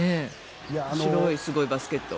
面白い、すごい、バスケット。